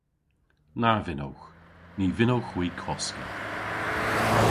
Na vynnowgh. Ny vynnowgh hwi koska.